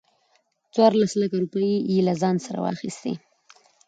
څورلس لکه روپۍ يې له ځان سره واخستې.